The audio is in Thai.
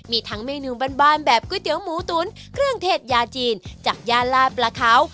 มีทั้งเมนูบ้านแบบก๋วยเตี๋ยวหมูตุ๋นเครื่องเทศยาจีนจากย่านลาดปลาเขา